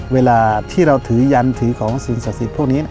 เวลาที่เราถือยันถือของสิ่งศักดิ์สิทธิ์พวกนี้